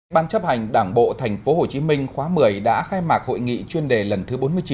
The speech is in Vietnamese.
ban chấp hành đảng bộ tp hcm khóa một mươi đã khai mạc hội nghị chuyên đề lần thứ bốn mươi chín